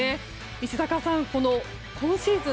石坂さん、この今シーズン